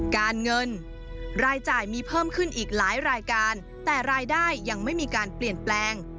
การเงินรายจ่ายมีเพิ่มขึ้นอีกหลายรายการแต่รายได้ยังไม่มีการเปลี่ยนแปลง